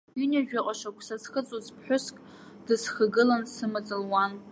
Ҩынҩажәаҟа шықәса зхыҵуаз ԥҳәыск дысхагылан сымаҵ луан.